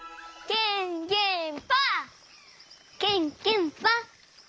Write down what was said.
ケンケンパ。